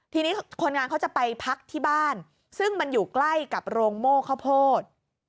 ทีนี้คนงานเขาจะไปพักที่บ้านซึ่งมันอยู่ใกล้กับโรงโม่ข้าวโพด